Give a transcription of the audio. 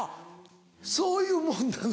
そういうもんなの？